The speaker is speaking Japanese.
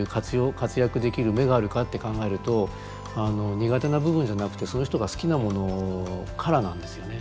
活躍できる芽があるかって考えると苦手な部分じゃなくてその人が好きなものからなんですよね。